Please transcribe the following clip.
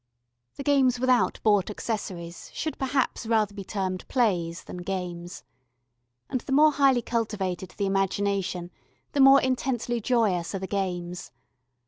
The games without bought accessories should perhaps rather be termed "plays" than games. And the more highly cultivated the imagination the more intensely joyous are the games.